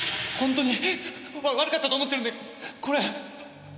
ほんとに悪かったと思ってるんでこれ。